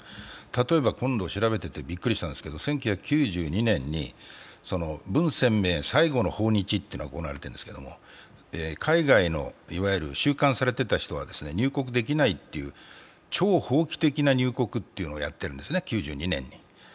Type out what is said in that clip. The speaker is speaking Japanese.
例えば、今回調べていてびっくりしたんですけれども、１９９２年に文鮮明最後の訪日というのが行われているんですけど海外の収監されていた人は入国できないという超法規的な入国をやっているんですね、９２年に。